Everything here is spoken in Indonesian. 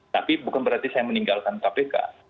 tapi bukan berarti saya meninggalkan kpk